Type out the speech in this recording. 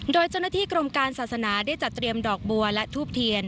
โดยเจ้าหน้าที่กรมการศาสนาได้จัดเตรียมดอกบัวและทูบเทียน